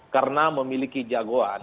karena memiliki jagoan